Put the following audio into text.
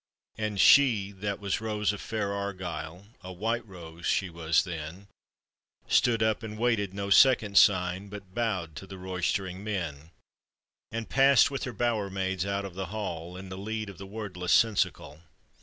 And she that was rose of fair Argyle — A white rose she was then I — Stood up and waited no second sign, But bowed to the roystering men, And passed with her bower maid, out of the hall I' the lead of the wordless seneschal.